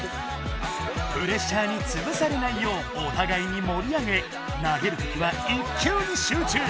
プレッシャーにつぶされないようおたがいに盛り上げ投げるときは１球に集中！